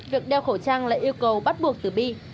việc đeo khẩu trang là yêu cầu bắt buộc bây giờ